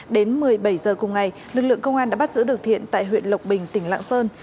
đến một mươi bảy h cùng ngày lực lượng công an đã bắt giữ được thiện tại huyện lộc bình tỉnh lạng sơn